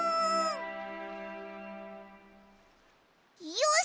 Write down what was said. よし！